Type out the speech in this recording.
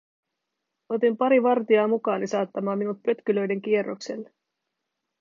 Otin pari vartijaa mukaani saattamaan minut pötkylöiden kierrokselle.